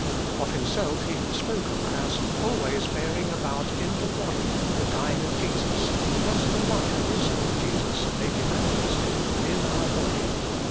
Of him self he had spoken as ' always bearing about in the body the" dying of Jesus, that the life also of Jesus may be manifested in our body.